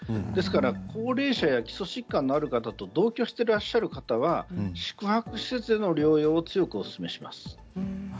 ですから高齢者や基礎疾患のある方と同居していらっしゃる方は宿泊施設での療養を強くおすすめします。